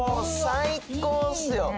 最高っすよ。